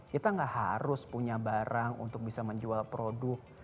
kita gak harus punya barang untuk bisa menjual produk